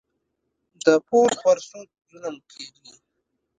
د پور پر سود ظلم کېږي.